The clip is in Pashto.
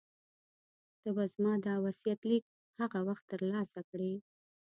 ته به زما دا وصیت لیک هغه وخت ترلاسه کړې.